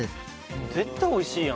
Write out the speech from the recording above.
絶対美味しいやん。